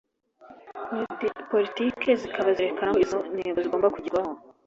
politiki zikaba zerekana uko izo ntego zigomba kugerwaho